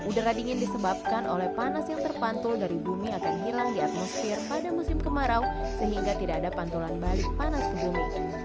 udara dingin disebabkan oleh panas yang terpantul dari bumi akan hilang di atmosfer pada musim kemarau sehingga tidak ada pantulan balik panas ke bumi